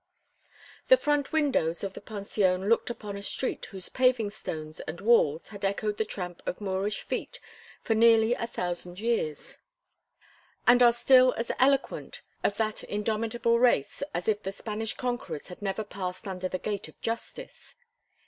The front windows of the pension looked upon a street whose paving stones and walls had echoed the tramp of Moorish feet for nearly 1000 years, and are still as eloquent of that indomitable race as if the Spanish conquerors had never passed under the Gate of Justice.